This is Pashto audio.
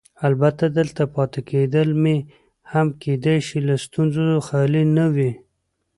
البته دلته پاتې کېدل مې هم کیدای شي له ستونزو خالي نه وي.